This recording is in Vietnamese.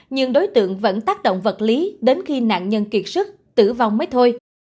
nhưng đối tượng vẫn tác động vật lý đến khi nạn nhân kiệt sức tử vong mới thôi